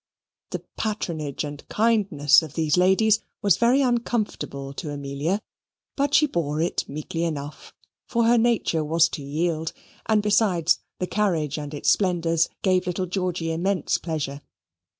The patronage and kindness of these ladies was very uncomfortable to Amelia, but she bore it meekly enough, for her nature was to yield; and, besides, the carriage and its splendours gave little Georgy immense pleasure.